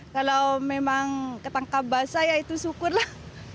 kalau memang ketangkap basah ya itu syukur lah